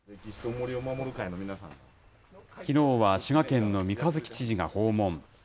きのうは滋賀県の三日月知事が訪問。